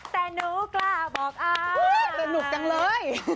แต่หนูกล้าบอกอายสนุกจังเลย